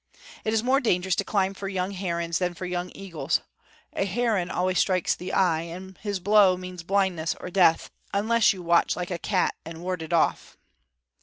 It is more dangerous to climb for young herons than for young eagles. A heron always strikes for the eye, and his blow means blindness or death, unless you watch like a cat and ward it off.